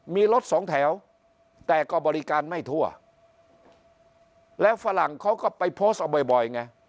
มีรถสองแถวแต่ก็บริการไม่ทั่วแล้วฝรั่งเขาก็ไปโพสต์เอาบ่อยบ่อยไง